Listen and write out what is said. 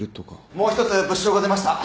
もうひとつ物証が出ました。